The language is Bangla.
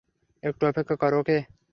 একটু অপেক্ষা কর, ওকে?